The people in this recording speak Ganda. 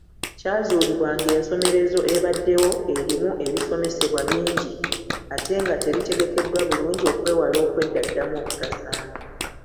Kyazuulibwa ng'ensomeserezo ebaddewo erimu ebisomesebwa bingi ate nga tebitegekeddwa bulungi okwewala okweddaddamu okutasaana.